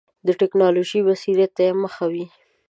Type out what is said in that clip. د ټکنالوژیک بصیرت ته یې مخه وي.